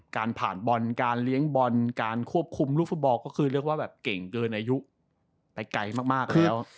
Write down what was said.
การผ่านบอลการเลี้ยงบอลการควบคุมลูกฟุตบอลก็คือเรียกว่าแบบเก่งเกินอายุไปไกลมากแล้ว